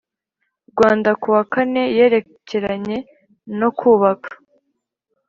Rwanda kuwa kane yerekeranye no kubaka